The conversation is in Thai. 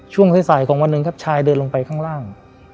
ช่วงสายของวันหนึ่งครับชายเดินลงไปข้างล่าง